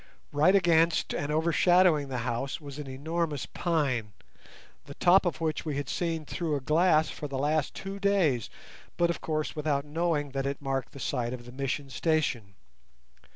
Right against and overshadowing the house was an enormous pine, the top of which we had seen through a glass for the last two days, but of course without knowing that it marked the site of the mission station.